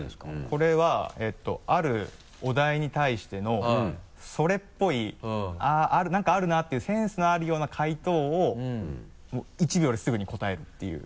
これはあるお題に対してのそれっぽいあぁなんかあるなっていうセンスのあるような回答を１秒ですぐに答えるっていう。